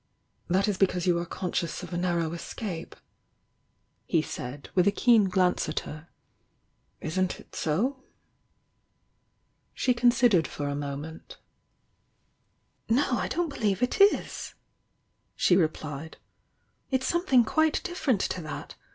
"That is because you are conscious of a narrow escape, he said, with a keen glance at her. "Isn't It BO? She considered for a moment. "No, I don't believe it is!" she replied. "It's some thing quite different to that.